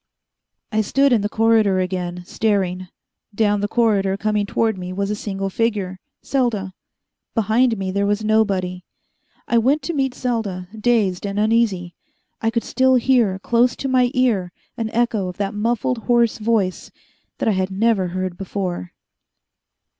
I stood in the corridor again, staring. Down the corridor, coming toward me, was a single figure Selda. Behind me there was nobody. I went to meet Selda, dazed and uneasy. I could still hear, close to my ear, an echo of that muffled, hoarse voice that I had never heard before.